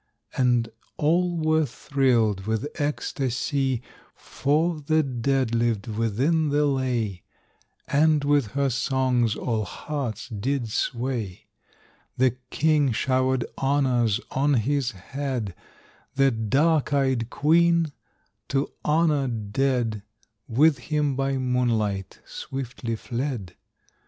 And all were thrilled with ecstasy, For the dead lived within the lay, And with her songs all hearts did sway. The king showered honors on his head; The dark eyed queen, to honor dead, With him by moonlight swiftly fled.